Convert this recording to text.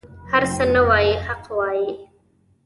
هر څه نه وايي حق وايي.